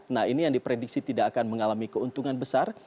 nah ini yang diprediksi tidak akan mengalami keuntungan besar